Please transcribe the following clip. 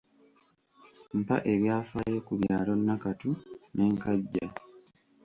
Mpa ebyafaayo ku byalo Nakatu ne Nkajja.